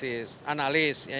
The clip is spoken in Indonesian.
yang kedua adalah tenaga analis